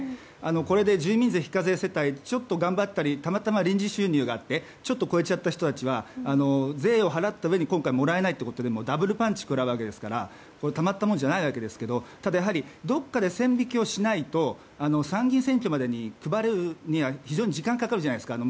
これで住民税課税世帯ちょっと頑張ったりたまたま臨時収入があった世帯の方は税を払ったうえにもらえないというダブルパンチを食らうわけですからたまったもんじゃないわけですがただ、どこかで線引きをしないと参議院選挙までに配り終えるのには非常に時間がかかるじゃないですか。